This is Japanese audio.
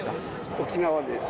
沖縄です。